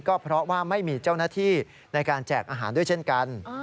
ก็เพราะว่าไม่มีเจ้าหน้าที่ในการแจกอาหารด้วยเช่นกัน